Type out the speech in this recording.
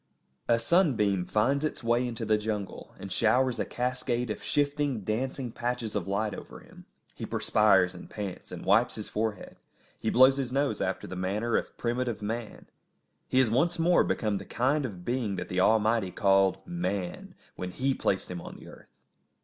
A sunbeam finds its way into the jungle, and showers a cascade of shifting, dancing patches of light over him. He perspires and pants, and wipes his forehead; he blows his nose after the manner of primitive man; he has once more become the kind of being that the Almighty called Man, when He placed him on the earth.